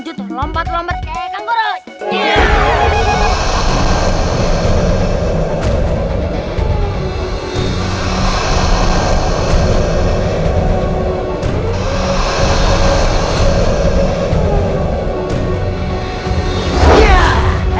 jodoh lompat lompat